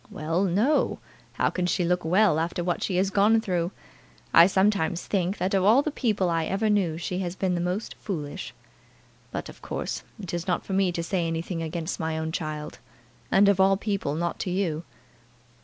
"Well; no: how can she look well after what she has gone through? I sometimes think, that of all the people I ever knew, she has been the most foolish. But, of course, it is not for me to say anything against my own child; and, of all people, not to you."